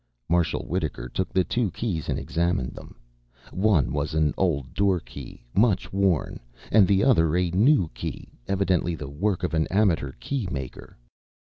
Marshal Wittaker took the two keys and examined them. One was an old doorkey, much worn, and the other a new key, evidently the work of an amateur key maker.